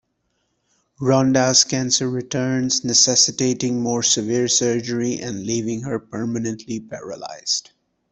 Rhonda's cancer returns, necessitating more severe surgery and leaving her permanently paralyzed.